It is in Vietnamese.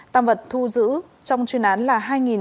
tạm vật thu giữ trong chuyên án là